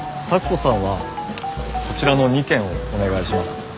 咲子さんはこちらの２軒をお願いします。